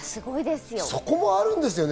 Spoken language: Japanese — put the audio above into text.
そこもあるんですよね。